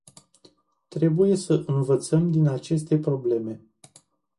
Trebuie să învățăm din aceste probleme.